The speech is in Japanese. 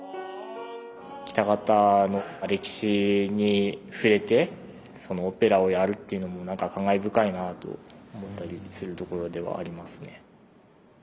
喜多方の歴史に触れてオペラをやるっていうのも何か感慨深いなと思ったりするところではありますね。